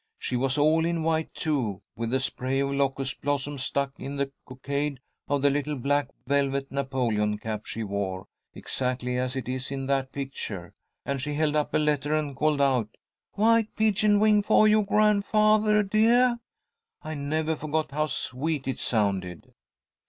She was all in white, too, with a spray of locust blossoms stuck in the cockade of the little black velvet Napoleon cap she wore, exactly as it is in that picture; and she held up a letter and called out: 'White pigeon wing fo' you, grandfathah deah.' I never forgot how sweet it sounded."